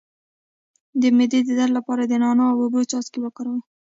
د معدې د درد لپاره د نعناع او اوبو څاڅکي وکاروئ